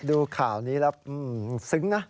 ดูข่าวนี้แล้วซึ้งนะ